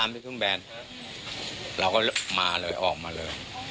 พี่สมหมายก็เลย